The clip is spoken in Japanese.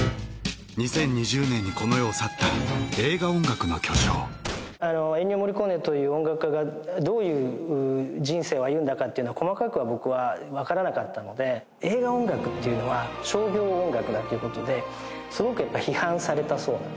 ２０２０年にこの世を去った映画音楽の巨匠エンニオ・モリコーネという音楽家がどういう人生を歩んだかっていうのは細かくは僕は分からなかったので映画音楽っていうのは商業音楽だっていうことですごくやっぱ批判されたそうなんですね